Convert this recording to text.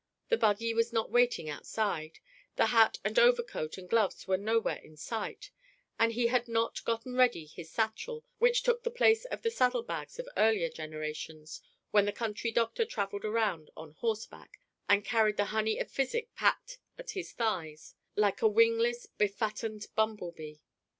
The buggy was not waiting outside; the hat and overcoat and gloves were nowhere in sight; and he had not gotten ready his satchel which took the place of the saddlebags of earlier generations when the country doctor travelled around on horseback and carried the honey of physic packed at his thighs like a wingless, befattened bumblebee.